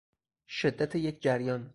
شدت یک جریان